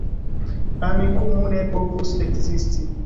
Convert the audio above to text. Amikumu ne povus ekzisti